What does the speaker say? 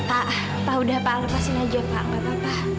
pak pak udah pak lepasin aja pak nggak apa apa